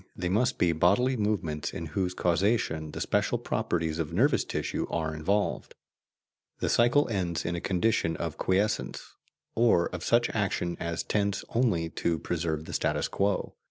they must be bodily movements in whose causation the special properties of nervous tissue are involved. The cycle ends in a condition of quiescence, or of such action as tends only to preserve the status quo.